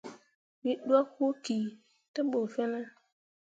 Wǝ ɗwak wo ki te ɓu fine ?